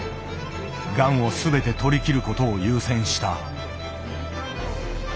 がんを全て取りきることを優先した。